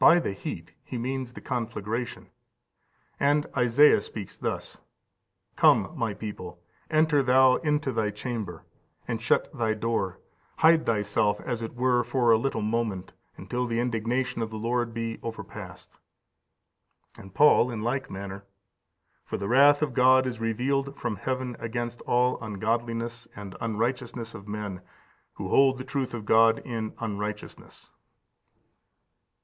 15511551 Ps. xix. 6. By the heat he means the conflagration. And Esaias speaks thus: "Come, my people, enter thou into thy chamber, (and) shut thy door: hide thyself as it were for a little moment, until the indignation of the Lord be overpast."15521552 Isa. xxvi. 20. And Paul in like manner: "For the wrath of God is revealed from heaven against all ungodliness and unrighteousness of men, who hold the truth of God in unrighteousness."